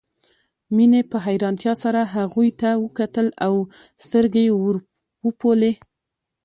مينې په حيرانتيا سره هغوی ته وکتل او سترګې يې ورپولې